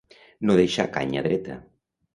No deixar canya dreta.